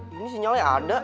ini sinyalnya ada